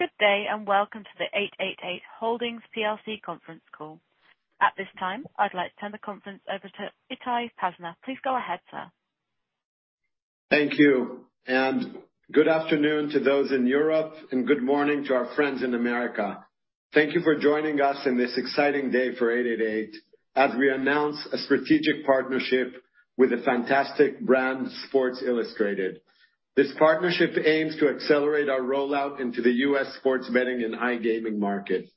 Good day, and welcome to the 888 Holdings PLC conference call. At this time, I'd like to turn the conference over to Itai Pazner. Please go ahead, sir. Thank you, good afternoon to those in Europe, and good morning to our friends in America. Thank you for joining us on this exciting day for 888 as we announce a strategic partnership with the fantastic brand Sports Illustrated. This partnership aims to accelerate our rollout into the U.S. sports betting and iGaming market.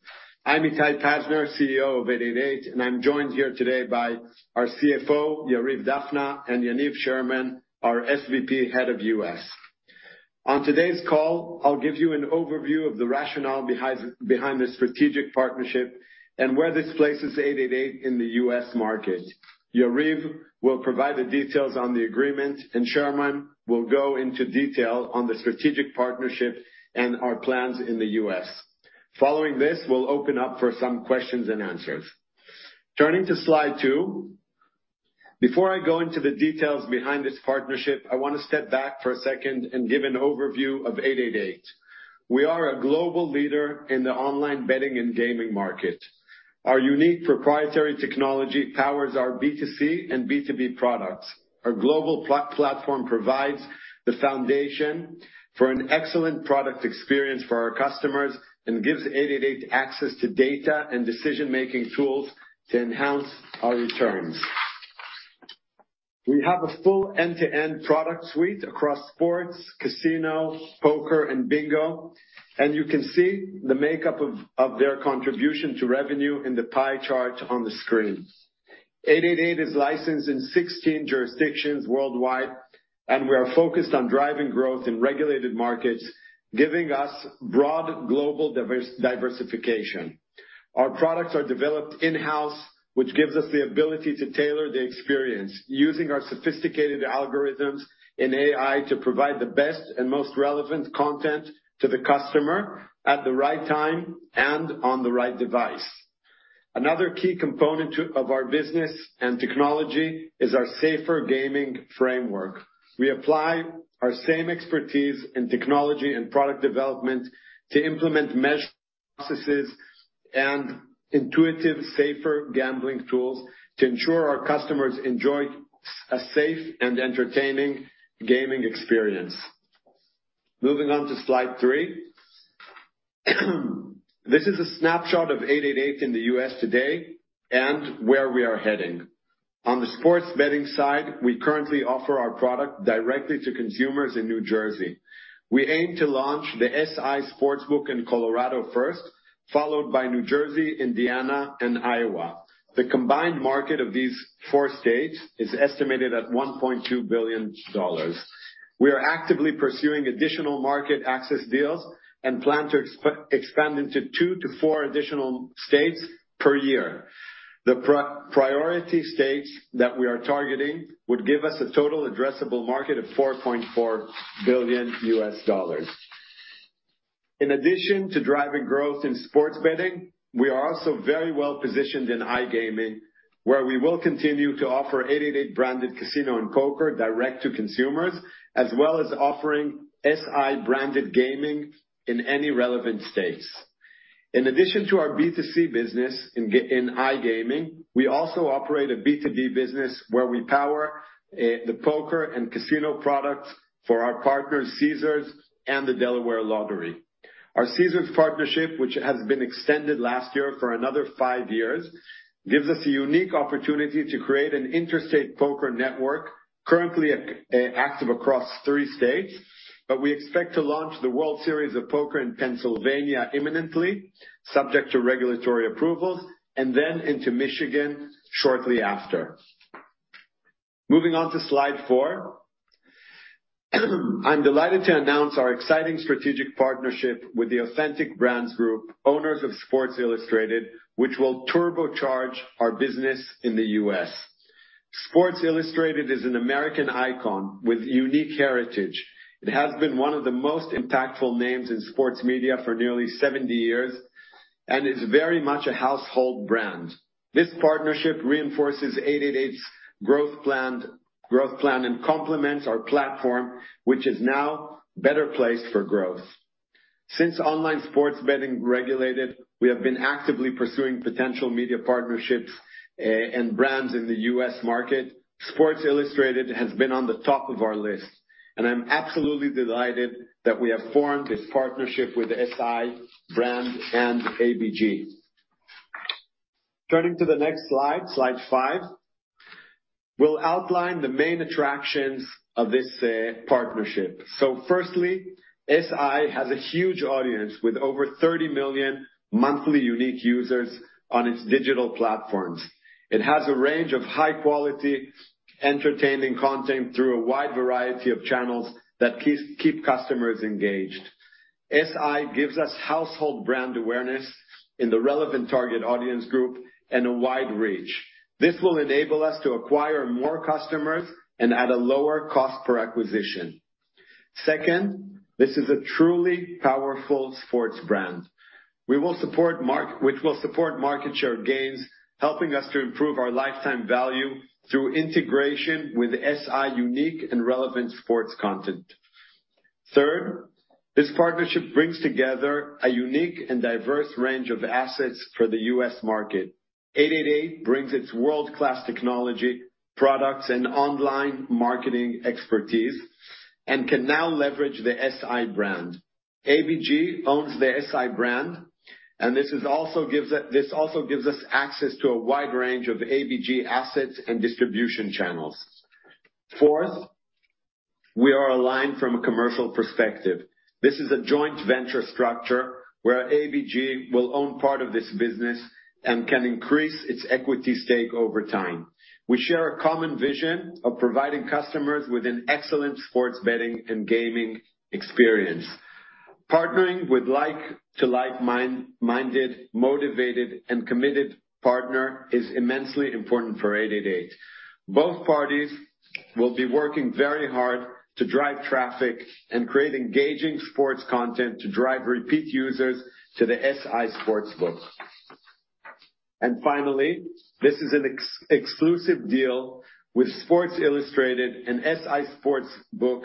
I'm Itai Pazner, CEO of 888, and I'm joined here today by our CFO, Yariv Dafna, and Yaniv Sherman, our SVP, Head of U.S. On today's call, I'll give you an overview of the rationale behind this strategic partnership and where this places 888 in the U.S. market. Yariv will provide the details on the agreement, and Sherman will go into detail on the strategic partnership and our plans in the U.S. Following this, we'll open up for some questions and answers. Turning to slide two. Before I go into the details behind this partnership, I want to step back for a one second and give an overview of 888. We are a global leader in the online betting and gaming market. Our unique proprietary technology powers our B2C and B2B products. Our global platform provides the foundation for an excellent product experience for our customers and gives 888 access to data and decision-making tools to enhance our returns. We have a full end-to-end product suite across sports, casino, poker, and bingo, and you can see the makeup of their contribution to revenue in the pie chart on the screen. 888 is licensed in 16 jurisdictions worldwide, and we are focused on driving growth in regulated markets, giving us broad global diversification. Our products are developed in-house, which gives us the ability to tailor the experience using our sophisticated algorithms and AI to provide the best and most relevant content to the customer at the right time and on the right device. Another key component of our business and technology is our safer gaming framework. We apply our same expertise in technology and product development to implement measured processes and intuitive, safer gambling tools to ensure our customers enjoy a safe and entertaining gaming experience. Moving on to slide three. This is a snapshot of 888 in the U.S. today and where we are heading. On the sports betting side, we currently offer our product directly to consumers in New Jersey. We aim to launch the SI Sportsbook in Colorado first, followed by New Jersey, Indiana, and Iowa. The combined market of these four states is estimated at $1.2 billion. We are actively pursuing additional market access deals and plan to expand into two to four additional states per year. The priority states that we are targeting would give us a total addressable market of $4.4 billion. In addition to driving growth in sports betting, we are also very well-positioned in iGaming, where we will continue to offer 888-branded casino and poker direct to consumers, as well as offering SI-branded gaming in any relevant states. In addition to our B2C business in iGaming, we also operate a B2B business where we power the poker and casino products for our partners, Caesars and the Delaware Lottery. Our Caesars partnership, which has been extended last year for another five years, gives us a unique opportunity to create an interstate poker network currently active across three states. We expect to launch the World Series of Poker in Pennsylvania imminently, subject to regulatory approvals, and then into Michigan shortly after. Moving on to slide four. I'm delighted to announce our exciting strategic partnership with the Authentic Brands Group, owners of Sports Illustrated, which will turbocharge our business in the U.S. Sports Illustrated is an American icon with unique heritage. It has been one of the most impactful names in sports media for nearly 70 years and is very much a household brand. This partnership reinforces 888's growth plan and complements our platform, which is now better placed for growth. Since online sports betting regulated, we have been actively pursuing potential media partnerships and brands in the U.S. market. Sports Illustrated has been on the top of our list. I'm absolutely delighted that we have formed this partnership with SI Brand and ABG. Turning to the next slide five. We'll outline the main attractions of this partnership. Firstly, SI has a huge audience with over 30 million monthly unique users on its digital platforms. It has a range of high-quality, entertaining content through a wide variety of channels that keep customers engaged. SI gives us household brand awareness in the relevant target audience group and a wide reach. This will enable us to acquire more customers and at a lower cost per acquisition. Second, this is a truly powerful sports brand. We will support market share gains, helping us to improve our lifetime value through integration with SI unique and relevant sports content. This partnership brings together a unique and diverse range of assets for the U.S. market. 888 brings its world-class technology, products, and online marketing expertise and can now leverage the SI Brand. ABG owns the SI Brand. This also gives us access to a wide range of ABG assets and distribution channels. Fourth, we are aligned from a commercial perspective. This is a joint venture structure where ABG will own part of this business and can increase its equity stake over time. We share a common vision of providing customers with an excellent sports betting and gaming experience. Partnering with like-minded, motivated, and committed partner is immensely important for 888. Both parties will be working very hard to drive traffic and create engaging sports content to drive repeat users to the SI Sportsbook. Finally, this is an exclusive deal with Sports Illustrated and SI Sportsbook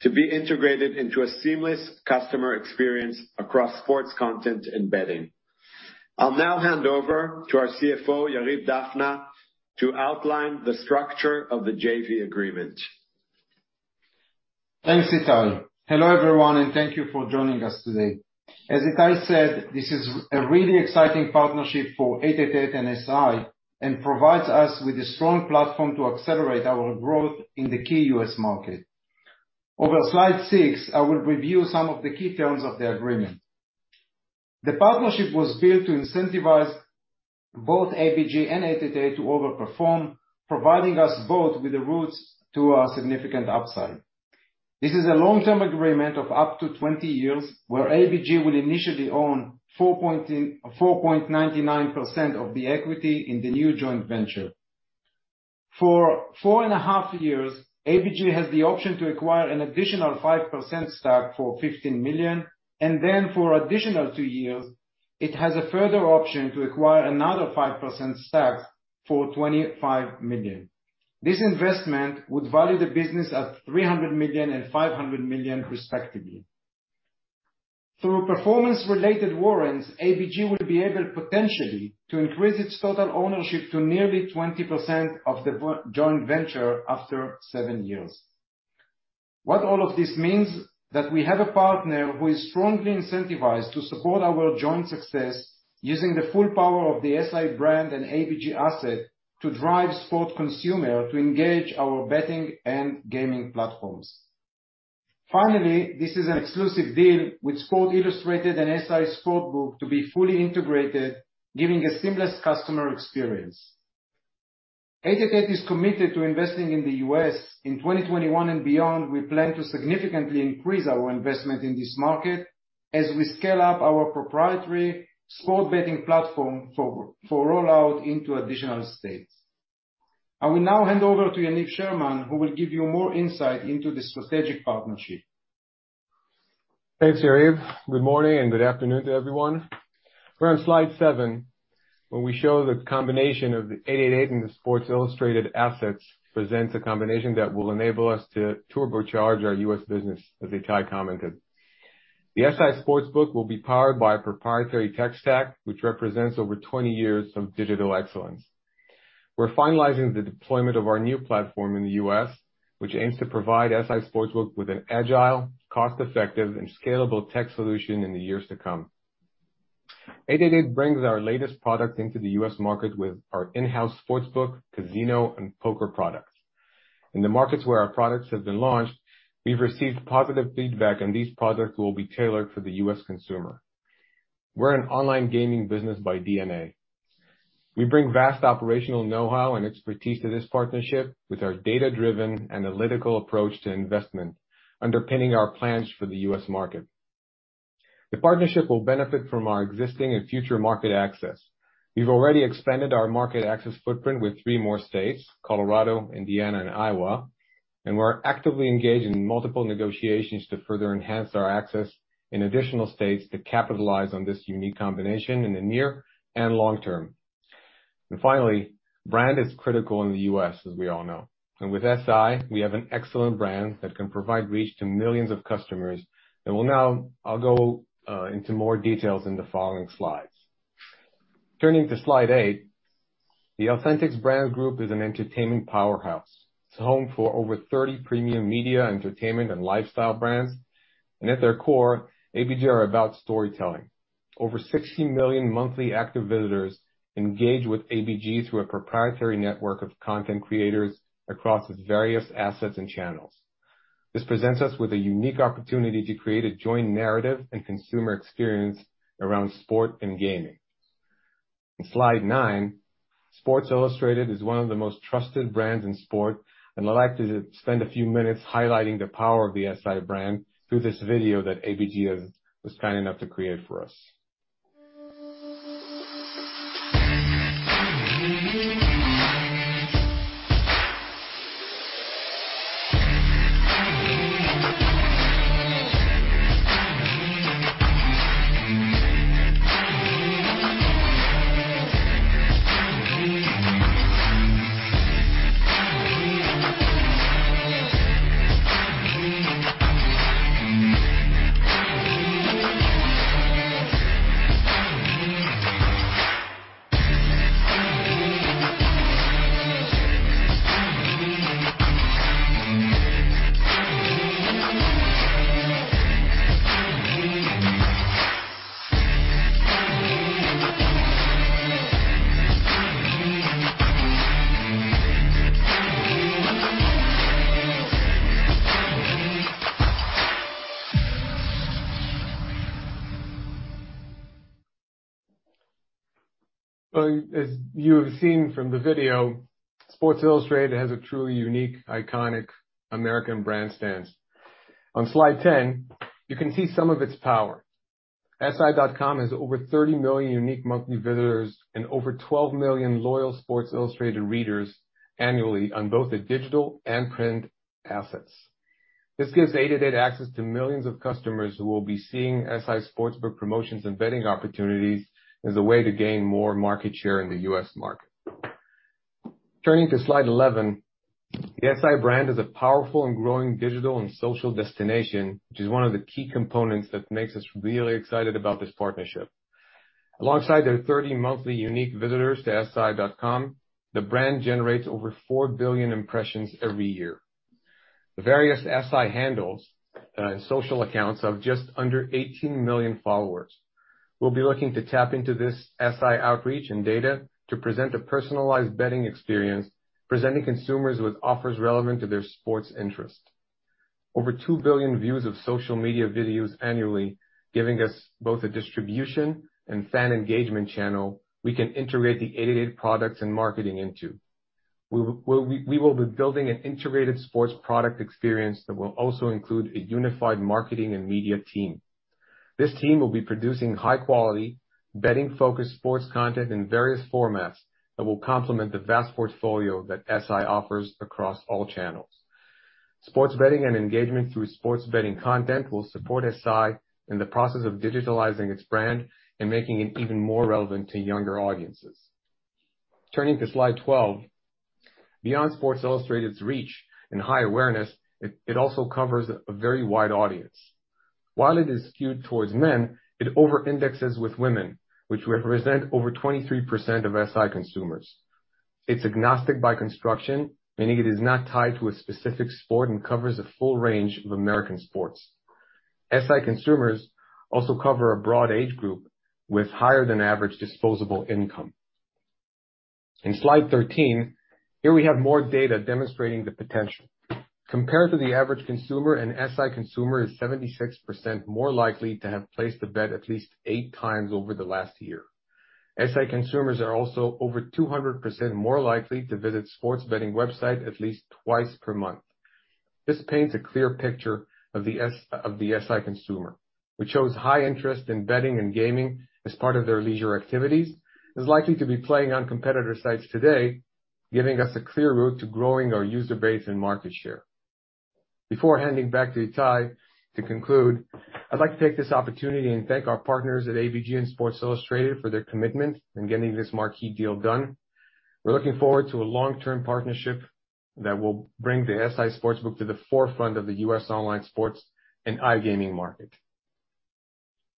to be integrated into a seamless customer experience across sports content and betting. I will now hand over to our CFO, Yariv Dafna, to outline the structure of the JV agreement. Thanks, Itai. Hello, everyone, and thank you for joining us today. As Itai said, this is a really exciting partnership for 888 and SI and provides us with a strong platform to accelerate our growth in the key U.S. market. Over slide six, I will review some of the key terms of the agreement. The partnership was built to incentivize both ABG and 888 to over-perform, providing us both with the routes to a significant upside. This is a long-term agreement of up to 20 years, where ABG will initially own 4.99% of the equity in the new joint venture. For 4.5 years, ABG has the option to acquire an additional 5% stack for 15 million. Then for additional two years, it has a further option to acquire another 5% stack for 25 million. This investment would value the business at 300 million and 500 million respectively. Through performance-related warrants, ABG will be able potentially to increase its total ownership to nearly 20% of the joint venture after seven years. What all of this means is that we have a partner who is strongly incentivized to support our joint success using the full power of the SI Brand and ABG asset to drive sport consumer to engage our betting and gaming platforms. Finally, this is an exclusive deal with Sports Illustrated and SI Sportsbook to be fully integrated, giving a seamless customer experience. 888 is committed to investing in the U.S. In 2021 and beyond, we plan to significantly increase our investment in this market as we scale up our proprietary sports betting platform for rollout into additional states. I will now hand over to Yaniv Sherman, who will give you more insight into the strategic partnership. Thanks, Yariv. Good morning and good afternoon to everyone. We're on slide seven, where we show the combination of the 888 and the Sports Illustrated assets presents a combination that will enable us to turbocharge our U.S. business, as Itai commented. The SI Sportsbook will be powered by a proprietary tech stack, which represents over 20 years of digital excellence. We're finalizing the deployment of our new platform in the U.S., which aims to provide SI Sportsbook with an agile, cost-effective, and scalable tech solution in the years to come. 888 brings our latest product into the U.S. market with our in-house sportsbook, casino, and poker products. In the markets where our products have been launched, we've received positive feedback, and these products will be tailored for the U.S. consumer. We're an online gaming business by DNA. We bring vast operational know-how and expertise to this partnership with our data-driven analytical approach to investment underpinning our plans for the U.S. market. The partnership will benefit from our existing and future market access. We've already expanded our market access footprint with three more states, Colorado, Indiana, and Iowa. We're actively engaged in multiple negotiations to further enhance our access in additional states to capitalize on this unique combination in the near and long term. Finally, brand is critical in the U.S., as we all know. With SI, we have an excellent brand that can provide reach to millions of customers. I'll go into more details in the following slides. Turning to slide eight, Authentic Brands Group is an entertainment powerhouse. It's home for over 30 premium media, entertainment, and lifestyle brands. At their core, ABG are about storytelling. Over 60 million monthly active visitors engage with ABG through a proprietary network of content creators across its various assets and channels. This presents us with a unique opportunity to create a joint narrative and consumer experience around sport and gaming. In slide nine, Sports Illustrated is one of the most trusted brands in sport, and I'd like to spend a few minutes highlighting the power of the SI Brand through this video that ABG was kind enough to create for us. As you have seen from the video, Sports Illustrated has a truly unique, iconic American brand stance. On slide 10, you can see some of its power. SI.com has over 30 million unique monthly visitors and over 12 million loyal Sports Illustrated readers annually on both the digital and print assets. This gives 888 access to millions of customers who will be seeing SI Sportsbook promotions and betting opportunities as a way to gain more market share in the U.S. market. Turning to slide 11. The SI brand is a powerful and growing digital and social destination, which is one of the key components that makes us really excited about this partnership. Alongside their 30 monthly unique visitors to si.com, the brand generates over 4 billion impressions every year. The various SI handles, social accounts, have just under 18 million followers. We'll be looking to tap into this SI outreach and data to present a personalized betting experience, presenting consumers with offers relevant to their sports interest. Over 2 billion views of social media videos annually, giving us both a distribution and fan engagement channel we can integrate the 888 products and marketing into. We will be building an integrated sports product experience that will also include a unified marketing and media team. This team will be producing high quality, betting-focused sports content in various formats that will complement the vast portfolio that SI offers across all channels. Sports betting and engagement through sports betting content will support SI in the process of digitalizing its brand and making it even more relevant to younger audiences. Turning to slide 12. Beyond Sports Illustrated's reach and high awareness, it also covers a very wide audience. While it is skewed towards men, it over-indexes with women, which represent over 23% of SI consumers. It's agnostic by construction, meaning it is not tied to a specific sport and covers a full range of American sports. SI consumers also cover a broad age group with higher than average disposable income. In slide 13, here we have more data demonstrating the potential. Compared to the average consumer, an SI consumer is 76% more likely to have placed a bet at least 8 times over the last year. SI consumers are also over 200% more likely to visit sports betting website at least twice per month. This paints a clear picture of the SI consumer, which shows high interest in betting and gaming as part of their leisure activities, is likely to be playing on competitor sites today, giving us a clear route to growing our user base and market share. Before handing back to Itai to conclude, I'd like to take this opportunity and thank our partners at ABG and Sports Illustrated for their commitment in getting this marquee deal done. We're looking forward to a long-term partnership that will bring the SI Sportsbook to the forefront of the U.S. online sports and iGaming market.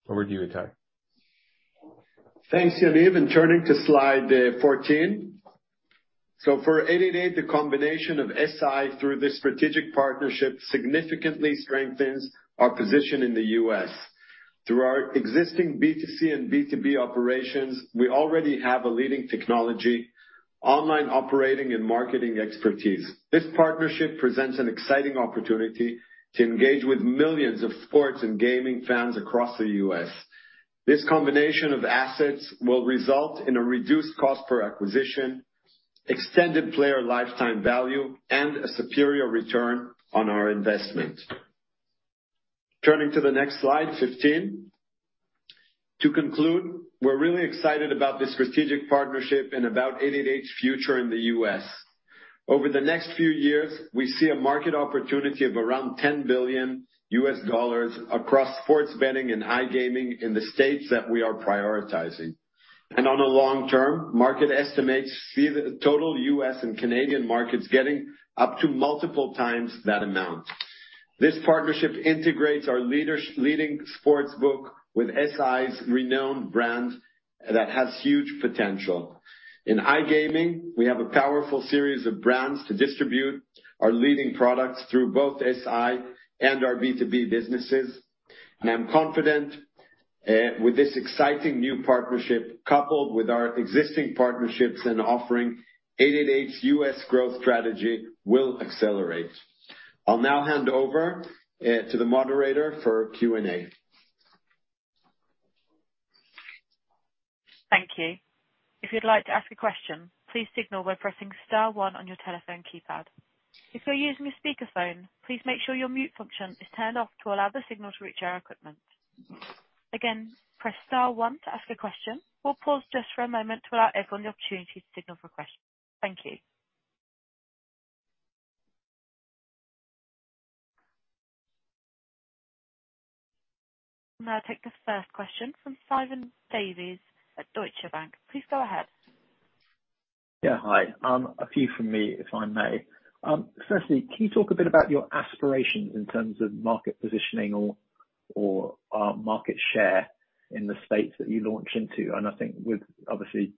Over to you, Itai. Thanks, Yaniv. Turning to slide 14. For 888, the combination of SI through this strategic partnership significantly strengthens our position in the U.S. Through our existing B2C and B2B operations, we already have a leading technology, online operating, and marketing expertise. This partnership presents an exciting opportunity to engage with millions of sports and gaming fans across the U.S. This combination of assets will result in a reduced cost per acquisition, extended player lifetime value, and a superior return on our investment. Turning to the next slide, 15. To conclude, we're really excited about this strategic partnership and about 888's future in the U.S. Over the next few years, we see a market opportunity of around $10 billion U.S. across sports betting and iGaming in the states that we are prioritizing. On the long term, market estimates see the total U.S. and Canadian markets getting up to multiple times that amount. This partnership integrates our leading sportsbook with SI's renowned brand that has huge potential. In iGaming, we have a powerful series of brands to distribute our leading products through both SI and our B2B businesses. I'm confident with this exciting new partnership coupled with our existing partnerships and offering, 888's U.S. growth strategy will accelerate. I'll now hand over to the moderator for Q&A. Thank you. If you'd like to ask a question, please signal by pressing star one on your telephone keypad. If you're using a speakerphone, please make sure your mute function is turned off to allow the signal to reach our equipment. Again, press star one to ask a question. We'll pause just for a moment to allow everyone the opportunity to signal for questions. Thank you. Now take the first question from Simon Davies at Deutsche Bank. Please go ahead. Yeah, hi. A few from me, if I may. Firstly, can you talk a bit about your aspirations in terms of market positioning or market share in the states that you launch into? I think obviously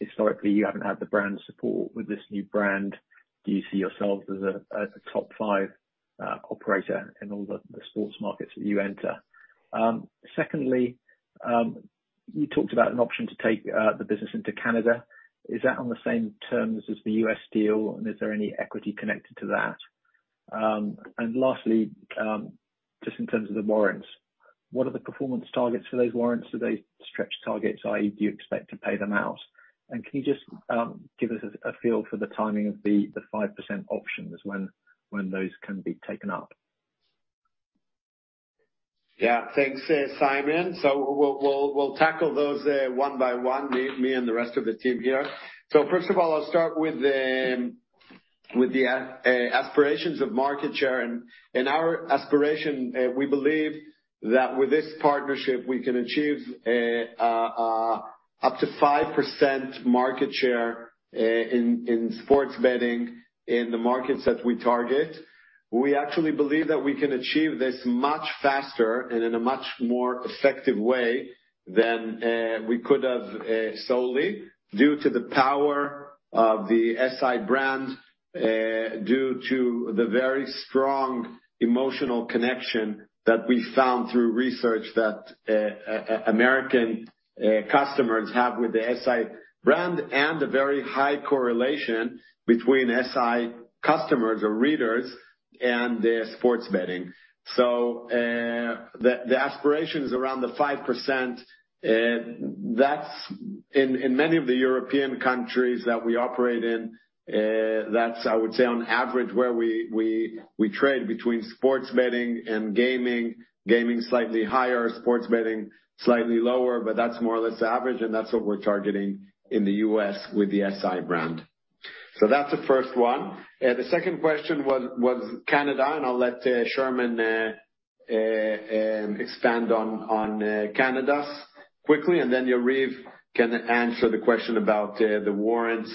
historically you haven't had the brand support with this new brand. Do you see yourself as a top five operator in all the sports markets that you enter? Secondly, you talked about an option to take the business into Canada. Is that on the same terms as the U.S. deal and is there any equity connected to that? Lastly, just in terms of the warrants, what are the performance targets for those warrants? Are they stretch targets, i.e., do you expect to pay them out? Can you just give us a feel for the timing of the 5% options when those can be taken up? Yeah, thanks, Simon. We'll tackle those one by one, me and the rest of the team here. First of all, I'll start with the aspirations of market share. In our aspiration, we believe that with this partnership, we can achieve up to 5% market share in sports betting in the markets that we target. We actually believe that we can achieve this much faster and in a much more effective way than we could have solely due to the power of the SI Brand, due to the very strong emotional connection that we found through research that American customers have with the SI Brand and the very high correlation between SI customers or readers and sports betting. The aspiration is around the 5%. In many of the European countries that we operate in, that's I would say on average where we trade between sports betting and gaming slightly higher, sports betting slightly lower, but that's more or less average, and that's what we're targeting in the U.S. with the SI brand. That's the first one. The second question was Canada. I'll let Sherman expand on Canada quickly. Then Yariv can answer the question about the warrants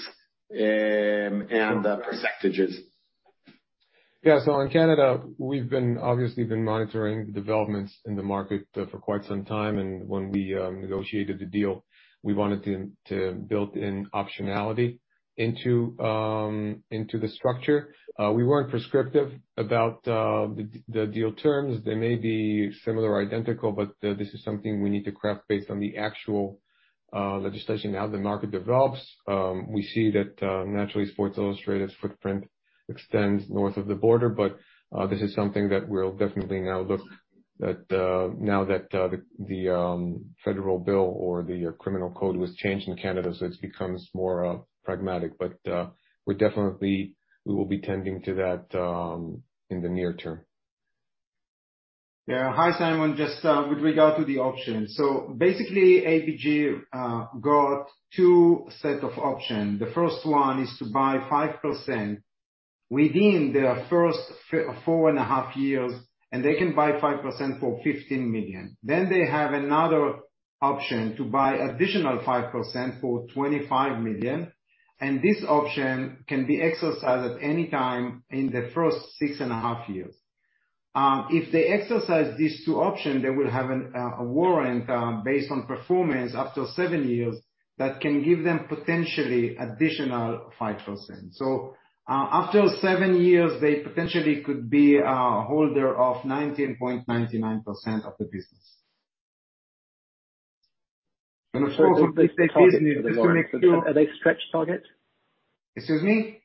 and the percentages. Yeah. On Canada, we've obviously been monitoring the developments in the market for quite some time, and when we negotiated the deal, we wanted to build in optionality into the structure. We weren't prescriptive about the deal terms. They may be similar or identical, but this is something we need to craft based on the actual legislation, how the market develops. We see that naturally Sports Illustrated's footprint extends north of the border, but this is something that we'll definitely now look at now that the federal bill or the criminal code was changed in Canada, so it becomes more pragmatic. We definitely will be tending to that in the near term. Hi, Simon, just with regard to the options. Basically, ABG got two set of options. The first one is to buy 5% within their first 4.5 years, and they can buy 5% for 15 million. They have another option to buy additional 5% for 25 million, and this option can be exercised at any time in the first 6.5 years. If they exercise these two options, they will have a warrant based on performance after seven years that can give them potentially additional 5%. After seven years, they potentially could be a holder of 19.99% of the business. Just briefly, are they stretch targets? Excuse me?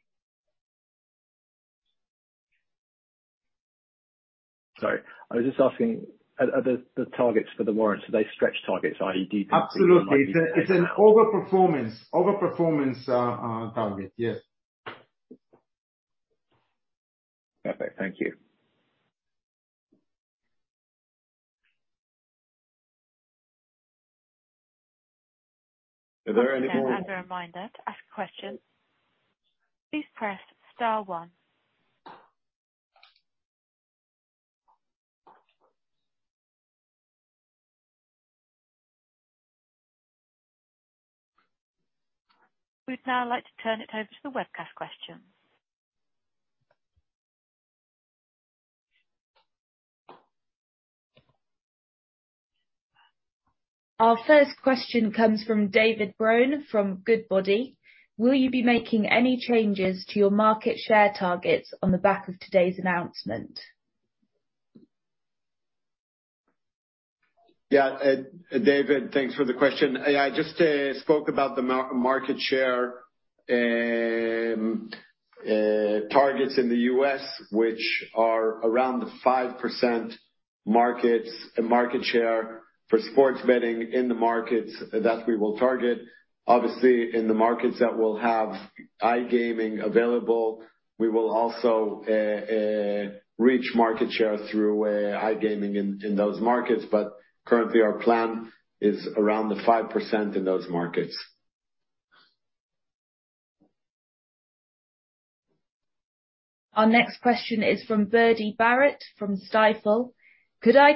Sorry. I was just asking, are the targets for the warrants, are they stretch targets? Absolutely. It's an over-performance target. Yes. Perfect. Thank you. Is there any- We'd now like to turn it over to the webcast questions. Our first question comes from David Brohan from Goodbody. Will you be making any changes to your market share targets on the back of today's announcement? Yeah, David, thanks for the question. I just spoke about the market share targets in the U.S., which are around the 5% market share for sports betting in the markets that we will target. Obviously, in the markets that will have iGaming available. We will also reach market share through iGaming in those markets. Currently our plan is around the 5% in those markets. Our next question is from Bridie Barrett from Stifel. Could I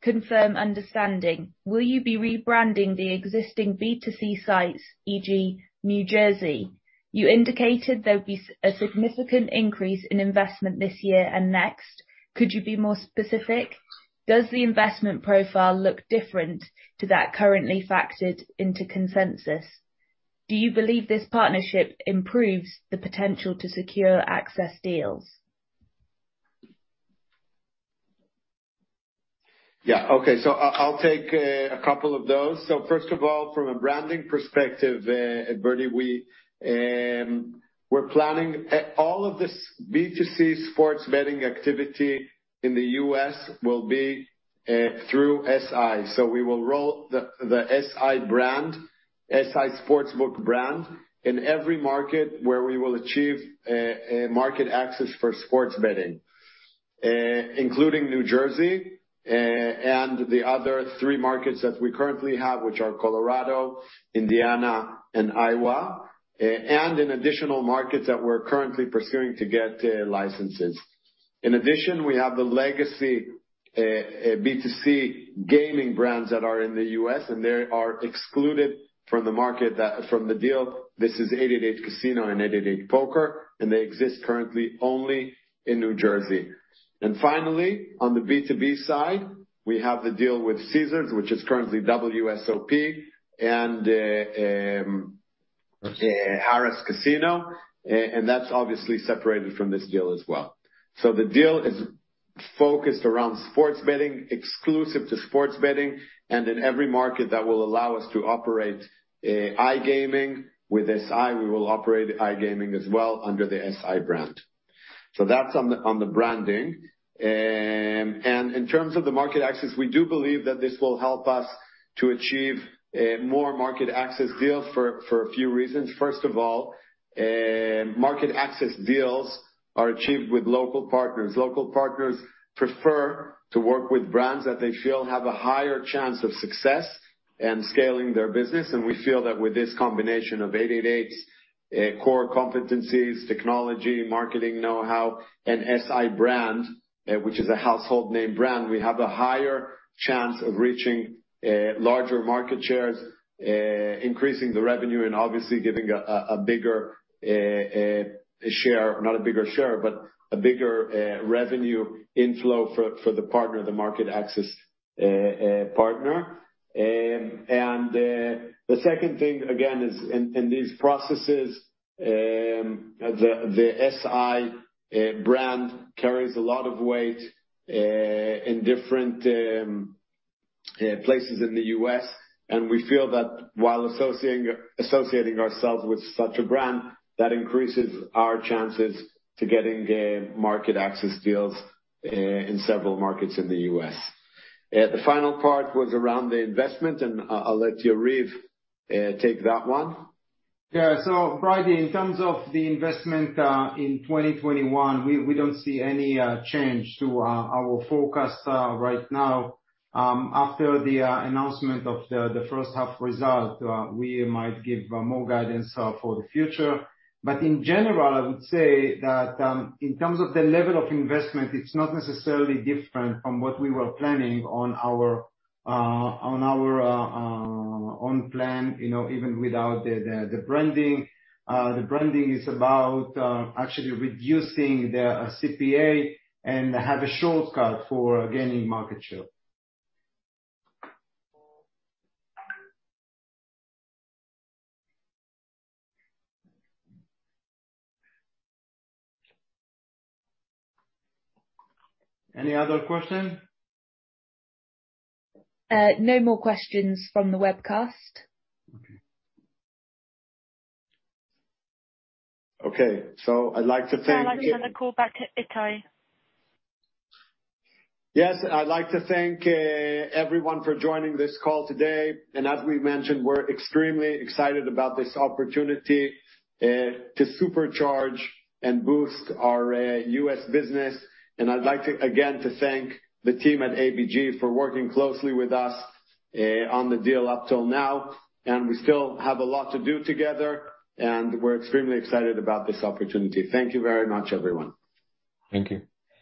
confirm understanding, will you be rebranding the existing B2C sites, e.g., New Jersey? You indicated there'd be a significant increase in investment this year and next. Could you be more specific? Does the investment profile look different to that currently factored into consensus? Do you believe this partnership improves the potential to secure access deals? Yeah. Okay. I'll take a couple of those. First of all, from a branding perspective, Bridie, we're planning all of this B2C sports betting activity in the U.S. will be through SI. We will roll the SI Brand, SI Sportsbook brand, in every market where we will achieve market access for sports betting, including New Jersey, and the other three markets that we currently have, which are Colorado, Indiana, and Iowa, and in additional markets that we're currently pursuing to get licenses. In addition, we have the legacy B2C gaming brands that are in the U.S., and they are excluded from the deal. This is 888 Casino and 888 Poker, and they exist currently only in New Jersey. Finally, on the B2B side, we have the deal with Caesars, which is currently WSOP and Harrah's Casino, and that's obviously separated from this deal as well. The deal is focused around sports betting, exclusive to sports betting, and in every market that will allow us to operate iGaming with SI, we will operate iGaming as well under the SI brand. That's on the branding. In terms of the market access, we do believe that this will help us to achieve more market access deals for a few reasons. First of all, market access deals are achieved with local partners. Local partners prefer to work with brands that they feel have a higher chance of success in scaling their business, and we feel that with this combination of 888's core competencies, technology, marketing knowhow, and SI brand, which is a household name brand, we have a higher chance of reaching larger market shares, increasing the revenue, and obviously giving a bigger, revenue inflow for the partner, the market access partner. The second thing, again is in these processes, the SI Brand carries a lot of weight in different places in the U.S., and we feel that while associating ourselves with such a brand, that increases our chances to getting market access deals in several markets in the U.S. The final part was around the investment, and I'll let Yariv take that one. Bridie, in terms of the investment in 2021, we don't see any change to our forecast right now. After the announcement of the first half result, we might give more guidance for the future. In general, I would say that in terms of the level of investment, it's not necessarily different from what we were planning on our own plan even without the branding. The branding is about actually reducing the CPA and have a shortcut for gaining market share. Any other questions? No more questions from the webcast. Okay. I'd like to hand the call back to Itai. Yes. I'd like to thank everyone for joining this call today. As we mentioned, we're extremely excited about this opportunity to supercharge and boost our U.S. business. I'd like again to thank the team at ABG for working closely with us on the deal up till now. We still have a lot to do together, and we're extremely excited about this opportunity. Thank you very much, everyone. Thank you.